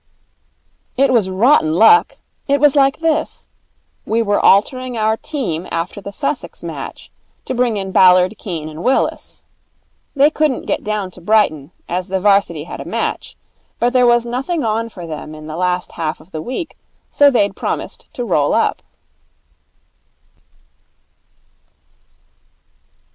'It was rotten luck. It was like this. We were altering our team after the Sussex match, to bring in Ballard, Keene, and Willis. They couldn't get down to Brighton, as the 'Varsity had a match, but there was nothing on for them in the last half of the week, so they'd promised to roll up.'